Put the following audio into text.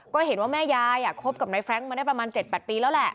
ก็เห็นว่าแม่ยายคบกับนายแฟรงค์มาได้ประมาณ๗๘ปีแล้วแหละ